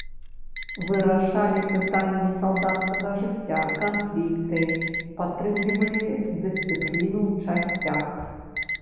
Вырашалі пытанні салдацкага жыцця, канфлікты, падтрымлівалі дысцыпліну ў часцях.